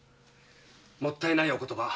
もったいないお言葉。